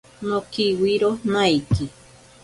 Nokiwiro naiki.